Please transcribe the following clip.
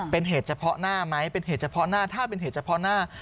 เป็นเหตุเฉพาะหน้าไหมถ้าเป็นเหตุเฉพาะหน้า